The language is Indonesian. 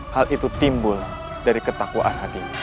hal itu timbul dari ketakwaan hakim